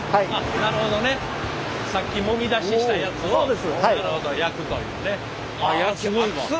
なるほどねさっきもみ出ししたやつをなるほど焼くというね。